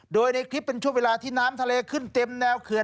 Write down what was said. โดยในคลิปเป็นช่วงเวลาที่น้ำทะเลขึ้นเต็มแนวเขื่อน